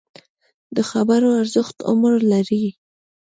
د خبرو ارزښت عمر لري